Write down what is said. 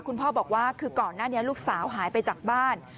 คุณพ่อบอกว่าคือก่อนหน้านี้ลูกสาวหายไปจากบ้าน